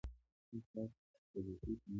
ایا ستاسو ساعت به دقیق نه وي؟